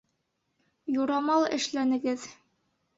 Юрамал эшләнегеҙ!